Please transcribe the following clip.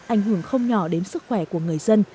ảnh hưởng không nhỏ đến sức khỏe của người dân